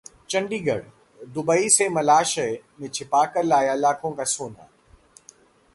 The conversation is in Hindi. चंडीगढ़ः दुबई से मलाशय में छिपाकर लाया लाखों का सोना